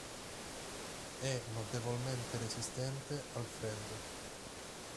È notevolmente resistente al freddo.